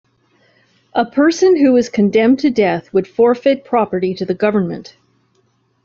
A person who was condemned to death would forfeit property to the government.